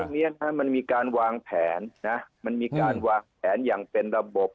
เนี้ยถ้ามันมีการวางแผนนะมันมีการวางแผนอย่างเป็นระบบ